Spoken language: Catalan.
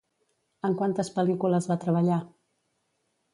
En quantes pel·lícules va treballar?